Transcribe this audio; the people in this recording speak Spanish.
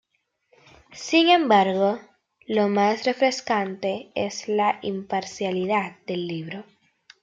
Sin embargo, lo más refrescante es la imparcialidad del libro.